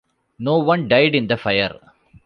No one died in the fire.